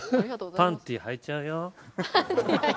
「パンティはいちゃうよ」。